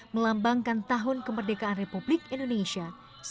melambangkan tahun kemerdekaan republik indonesia seribu sembilan ratus empat puluh lima